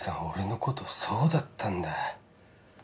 俺のことそうだったんだ